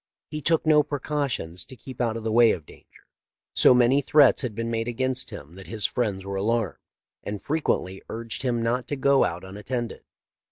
He took no precautions to keep out of the way of danger. So many threats had been made against him that his friends were alarmed, and frequently urged him not to go out unattended.